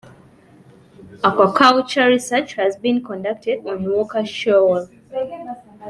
Aquaculture research has been conducted on Walker Shoal.